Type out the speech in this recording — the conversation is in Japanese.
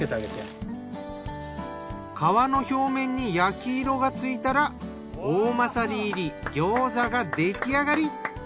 皮の表面に焼き色がついたらおおまさり入りギョーザが出来上がり。